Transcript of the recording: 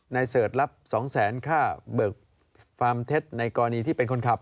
เสิร์ชรับ๒แสนค่าเบิกฟาร์มเท็จในกรณีที่เป็นคนขับ